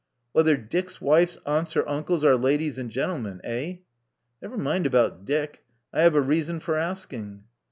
Whether Dick's wife's aunts or uncles are ladies and gentlemen, eh?" •'Never mind about Dick. I have a reason for asking."